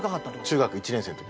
中学１年生の時に。